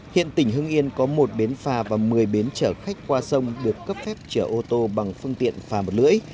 hiện tỉnh hưng yên có một bến phà và một mươi bến chở khách qua sông được cấp phép chở ô tô bằng phương tiện phà một lưỡi